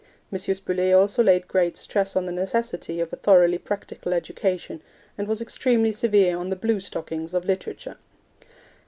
M. Spuller also laid great stress on the necessity of a thoroughly practical education, and was extremely severe on the 'Blue stockings' of literature.